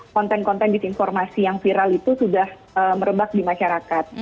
konten konten disinformasi yang viral itu sudah merebak di masyarakat